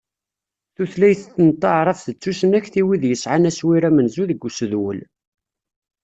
Tutlayt n taɛrabt d tusnakt i wid yesɛan aswir amenzu deg usedwel.